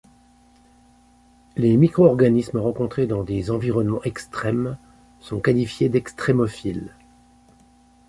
Les micro-organismes rencontrés dans des environnements extrêmes sont qualifiés d'extrêmophiles.